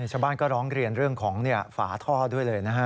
ชาวบ้านก็ร้องเรียนเรื่องของฝาท่อด้วยเลยนะฮะ